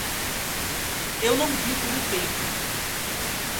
Eu não vi por um tempo.